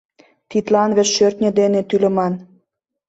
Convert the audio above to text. Тидлан вет шӧртньӧ дене тӱлыман.